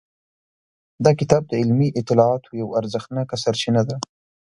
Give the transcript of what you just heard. دا کتاب د علمي اطلاعاتو یوه ارزښتناکه سرچینه ده.